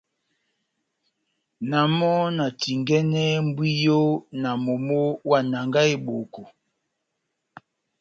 Na mɔ́ na tingɛnɛhɛ mbwiyo na momó wa Nanga-Eboko.